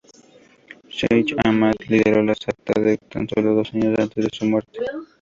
Sheij Ahmad lideró la secta tan sólo dos años antes de su muerte.